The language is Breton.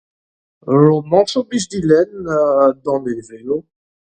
Romantoù 'blij din lenn ha danevelloù.